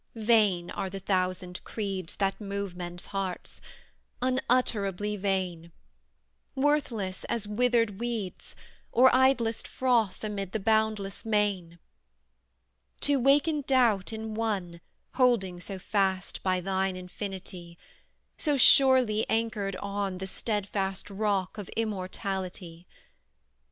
Vain are the thousand creeds That move men's hearts: unutterably vain; Worthless as withered weeds, Or idlest froth amid the boundless main, To waken doubt in one Holding so fast by thine infinity; So surely anchored on The stedfast rock of immortality.